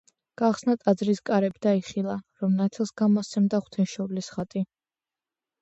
გახსნა ტაძრის კარები და იხილა, რომ ნათელს გამოსცემდა ღვთისმშობლის ხატი.